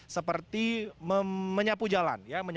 seperti menyapu jalan